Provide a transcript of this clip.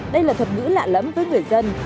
đây là thuật ngữ lạ lắm với người dân